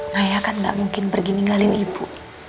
naya kan gak mungkin pergi ninggalin ibu